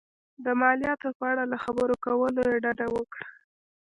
د مالیاتو په اړه له خبرو کولو یې ډډه وکړه.